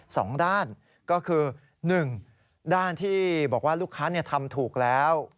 สองด้านก็คือหนึ่งด้านที่บอกว่าลูกค้าทำถูกแล้ว